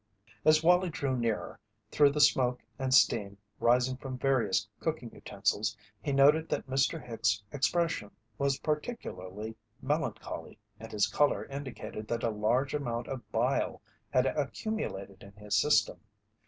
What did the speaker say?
As Wallie drew nearer, through the smoke and steam rising from various cooking utensils he noted that Mr. Hicks' expression was particularly melancholy and his colour indicated that a large amount of bile had accumulated in his system.